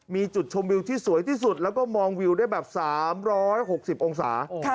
มีจุดชมวิวที่สวยที่สุดแล้วก็มองวิวได้แบบ๓๖๐องศา